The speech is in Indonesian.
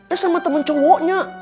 eh sama temen cowoknya